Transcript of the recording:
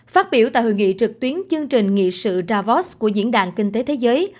phát biểu tại hội nghị trực tuyến chương trình nghị sự davos của diễn đàn kinh tế thế giới